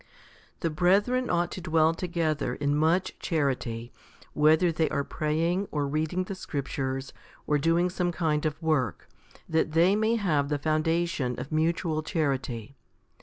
1. THE brethren ought to dwell together in much charity, whether they are praying, or reading the scriptures, or doing some kind of work, that they may have the foundation of mutual charity.